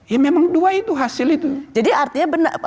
ya memang dua itu hasil itu